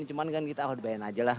cuma kan kita bayangin aja lah